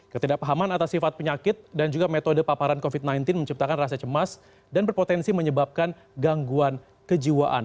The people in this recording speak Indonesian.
ketidakpahaman atas sifat penyakit dan juga metode paparan covid sembilan belas menciptakan rasa cemas dan berpotensi menyebabkan gangguan kejiwaan